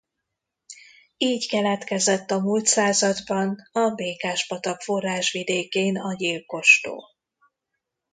Így keletkezett a múlt században a Békás-patak forrásvidékén a Gyilkos-tó.